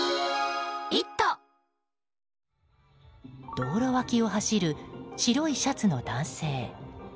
道路脇を走る白いシャツの男性。